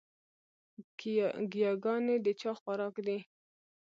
ګياګانې د چا خوراک دے؟